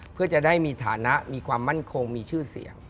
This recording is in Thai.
เพื่อจะได้มีฐานะมีความมั่นคงมีชื่อเสียง